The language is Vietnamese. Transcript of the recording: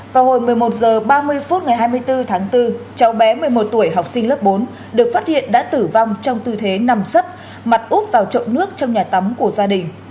vào hồi một mươi một h ba mươi phút ngày hai mươi bốn tháng bốn cháu bé một mươi một tuổi học sinh lớp bốn được phát hiện đã tử vong trong tư thế nằm sấp mặt úp vào chậu nước trong nhà tắm của gia đình